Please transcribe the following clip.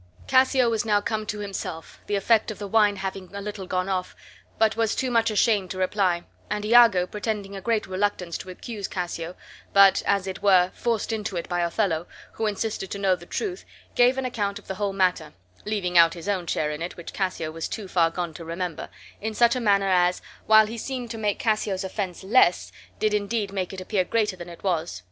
Cassio was now come to himself, the effect of the wine having a little gone off, but was too much ashamed to reply; and Iago, pretending a great reluctance to accuse Cassio, but, as it were, forced into it by Othello, who insisted to know the truth, gave an account of the whole matter (leaving out his own share in it, which Cassio was too far gone to remember) in such a manner as, while he seemed to make Cassio's offense less, did indeed make it appear greater than it was.